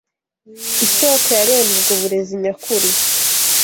Isōko ya bene ubwo burezi nyakuri